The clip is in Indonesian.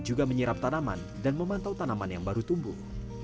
juga menyirap tanaman dan memantau tanaman yang baru tumbuh